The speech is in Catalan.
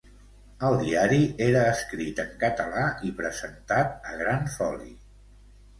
El diari era escrit en català i presentat a gran foli.